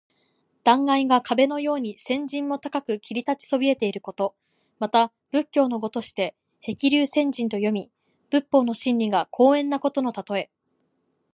断崖が壁のように千仞も高く切り立ちそびえていること。また仏教の語として「へきりゅうせんじん」と読み、仏法の真理が高遠なことのたとえ。